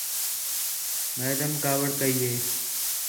میڈم کاوِڑ کَئی ہے